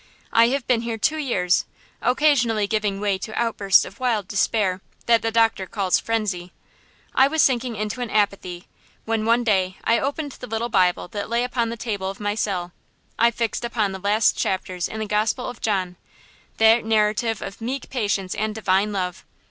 I have been here two years, occasionally giving way to outbursts of wild despair, that the doctor calls frenzy. I was sinking into an apathy, when one day I opened the little Bible that lay upon the table of my cell. I fixed upon the last chapters in the gospel of John. That narrative of meek patience and divine love.